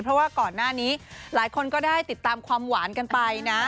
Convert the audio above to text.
เพราะว่าก่อนหน้านี้หลายคนก็ได้ติดตามความหวานกันไปนะ